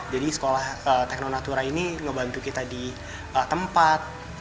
jadi sekolah tekno natura ini ngebantu kita di tempat